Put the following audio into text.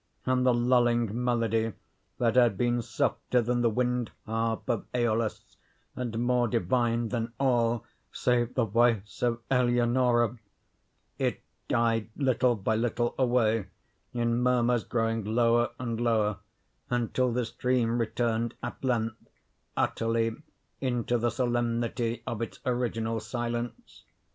And the lulling melody that had been softer than the wind harp of Æolus, and more divine than all save the voice of Eleonora, it died little by little away, in murmurs growing lower and lower, until the stream returned, at length, utterly, into the solemnity of its original silence.